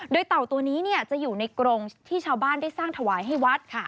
โดยเต่าตัวนี้จะอยู่ในกรงที่ชาวบ้านได้สร้างถวายให้วัด